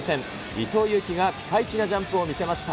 伊藤有希がピカイチなジャンプを見せました。